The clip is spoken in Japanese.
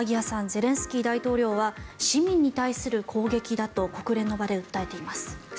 ゼレンスキー大統領は市民に対する攻撃だと国連の場で訴えています。